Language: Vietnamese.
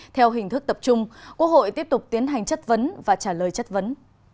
theo hình thức tập trung quốc hội tiếp tục tiến hành chất vấn và trả lời chất vấn